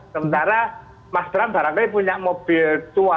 sementara mas trump barangkali punya mobil tua